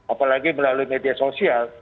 apalagi melalui media sosial